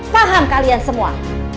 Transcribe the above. paham kalian semua